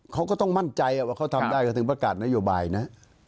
เขาก็ต้องมั่นใจว่าเขาทำได้ก็ถึงประกาศนโยบายนะ